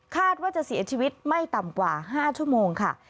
ว่าจะเสียชีวิตไม่ต่ำกว่า๕ชั่วโมงค่ะ